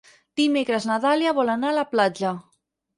Dimecres na Dàlia vol anar a la platja.